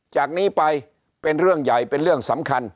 จากนี้ไปเป็นเรื่องใหญ่เป็นเรื่องสำคัญ